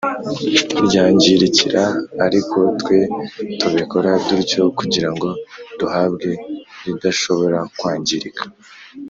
Ryangirika ariko twe tubikora dutyo kugira ngo duhabwe iridashobora kwangirika